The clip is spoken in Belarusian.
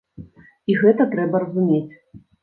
І гэта трэба разумець.